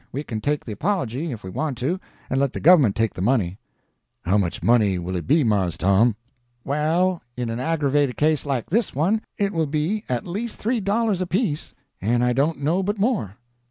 We can take the apology, if we want to, and let the gov'ment take the money." "How much money will it be, Mars Tom?" "Well, in an aggravated case like this one, it will be at least three dollars apiece, and I don't know but more."